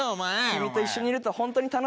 君と一緒にいると本当に楽しいんだ。